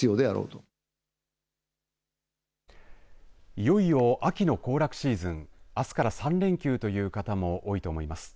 いよいよ秋の行楽シーズンあすから３連休という方も多いと思います。